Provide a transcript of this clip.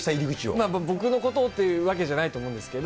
まあ、僕のことをっていうわけじゃないと思うんですけど。